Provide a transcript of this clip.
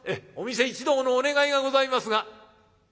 お店一同のお願いがございますが」。